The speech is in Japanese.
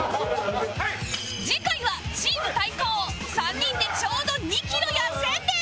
次回はチーム対抗３人でちょうど２キロ痩せんねん